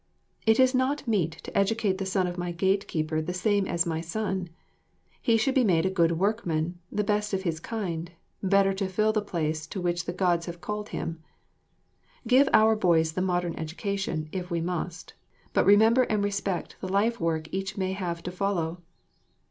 It is not meet to educate the son of my gate keeper the same as my son. He should be made a good workman, the best of his kind, better to fill the place to which the Gods have called him. Give our boys the modern education, if we must, but remember and respect the life work each may have to follow.